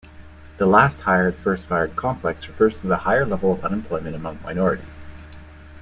The "last-hired, first-fired complex" refers to the higher level of unemployment among minorities.